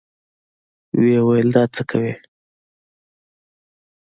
ويې ويل دا څه کوې.